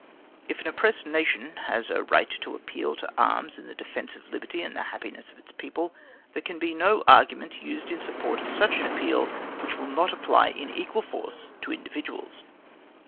If an oppressed nation has a right to appeal to arms in defence of its liberty and the happiness of its people, there can be no argument used in support of such appeal, which will not apply with equal force to individuals.